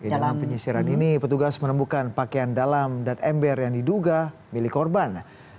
dalam penyisiran ini petugas menemukan pakaian dalam dan ember yang diduga milik korban